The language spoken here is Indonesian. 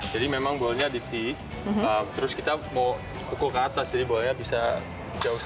jadi memang bolanya di t terus kita mau pukul ke atas jadi bolanya bisa jauh